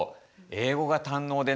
英語が堪能でね